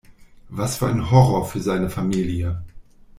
Was für ein Horror für seine Familie!